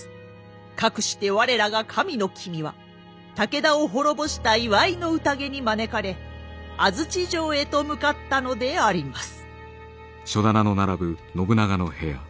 かくして我らが神の君は武田を滅ぼした祝いの宴に招かれ安土城へと向かったのであります。